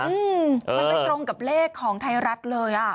มันไม่ตรงกับเลขของไทยรัฐเลย